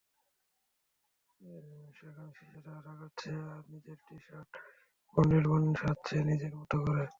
সেখানে শিশুরা রাঙাচ্ছে নিজের টি-শার্ট, বর্ণিল বর্ণে সাজছে নিজের মতো করে।